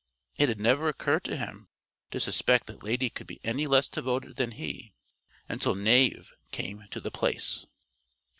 It had never occurred to him to suspect that Lady could be any less devoted than he until Knave came to The Place.